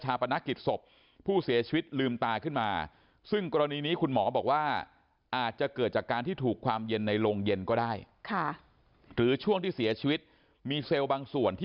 ปนักกิจศพผู้เสียชีวิตลืมตาขึ้นมาซึ่งกรณีนี้คุณหมอบอกว่าอาจจะเกิดจากการที่ถูกความเย็นในโรงเย็นก็ได้ค่ะหรือช่วงที่เสียชีวิตมีเซลล์บางส่วนที่